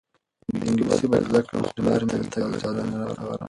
انګلیسي به زده کړم خو پلار مې د تګ اجازه نه راکوله.